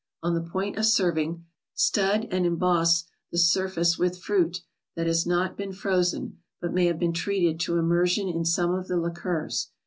On the point of serving, stud and emboss the surface with fruit that has not been frozen, but may have been treated to immersion in some of the liqueurs.